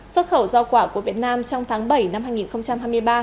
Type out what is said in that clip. xuất khẩu giao quả của việt nam trong tháng bảy năm hai nghìn hai mươi ba